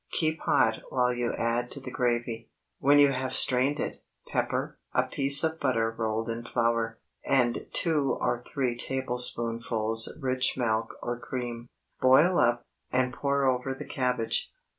Keep hot while you add to the gravy, when you have strained it, pepper, a piece of butter rolled in flour, and two or three tablespoonfuls rich milk or cream. Boil up, and pour over the cabbage.